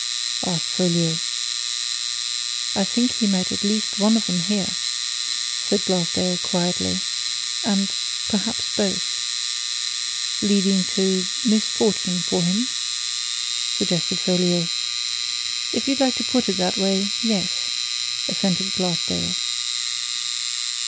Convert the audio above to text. asked Folliot. "I think he met at least one of 'em here," said Glassdale, quietly. "And perhaps both." "Leading to misfortune for him?" suggested Folliot. "If you like to put it that way yes," assented Glassdale.